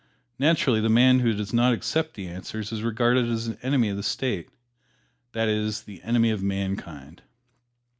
Naturally, the man who does not accept the answers is regarded as an enemy of the State that is, the enemy of mankind.